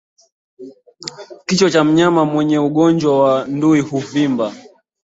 Kichwa cha mnyama mwenye ugonjwa wa ndui huvimba